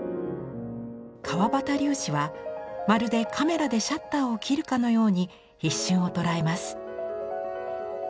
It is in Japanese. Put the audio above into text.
川端龍子はまるでカメラでシャッターを切るかのように一瞬を捉えます。